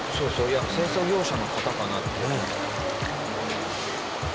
いや清掃業者の方かなって。